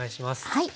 はい。